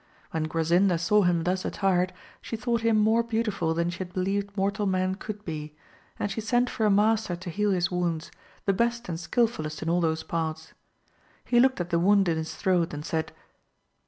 When Grasinda saw him thus at tired she thought him more beautiful than she had believed mortal man could be, and she sent for a master to heal his wounds, the best and skilfullest in all those parts. He looked at the wound in his throat and said.